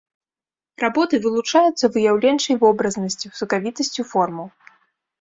Работы вылучаюцца выяўленчай вобразнасцю, сакавітасцю формаў.